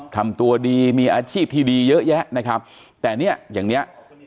ทำตัวดีมีอาชีพที่ดีเยอะแยะนะครับแต่เนี่ยอย่างเนี้ย